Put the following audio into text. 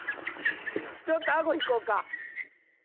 ちょっとあご引こうか。